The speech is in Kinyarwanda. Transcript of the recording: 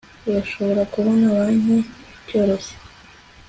urashobora kubona banki byoroshye